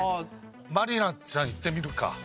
満里奈ちゃんいってみるか。